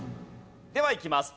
ではいきます。